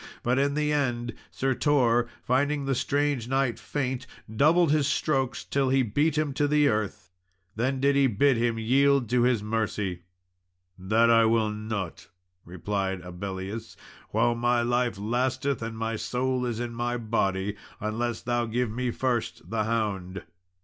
But in the end, Sir Tor, finding the strange knight faint, doubled his strokes until he beat him to the earth. Then did he bid him yield to his mercy. "That will I not," replied Abellius, "while my life lasteth and my soul is in my body, unless thou give me first the hound."